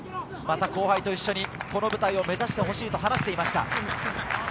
また後輩と一緒にこの舞台を目指してほしいと話していました。